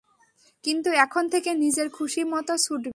কিন্তু এখন থেকে, নিজের খুশি মতো ছুটবে।